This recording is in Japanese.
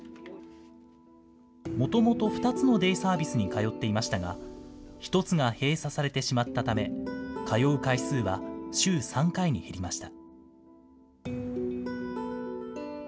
もともと２つのデイサービスに通っていましたが、１つが閉鎖されてしまったため、通う回数は週３回に減りました。